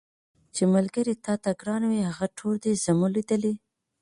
چي ملګري تاته ګران وه هغه ټول دي زمولېدلي